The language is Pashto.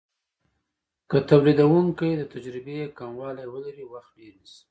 که تولیدونکی د تجربې کموالی ولري وخت ډیر نیسي.